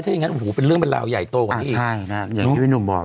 เท่งั้นโอ้โหเป็นเรื่องเป็นราวใหญ่โตกว่านี้อ่าใช่นะครับอย่างที่พี่หนุ่มบอก